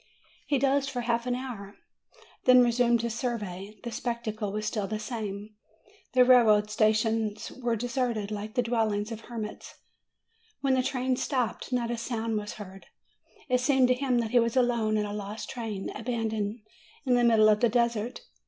He dozed for half an hour; then resumed his survey: the spectacle was still the same. The rail way stations were deserted, like the dwellings of hermits. When the train stopped not a sound was heard; it seemed to him that he was alone in a lost train, abandoned in the middle of a desert.